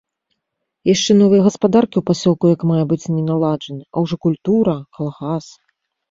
Яшчэ новыя гаспадаркі ў пасёлку як мае быць не наладжаны, а ўжо культура, калгас.